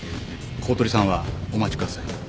公取さんはお待ちください。